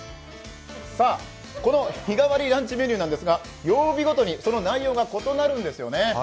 さあ、この日替わりランチメニューですが曜日ごとに、その内容が異なるんですよね。